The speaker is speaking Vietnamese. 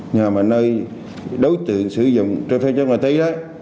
nhưng mà nơi đối tượng sử dụng trái phép chất ma túy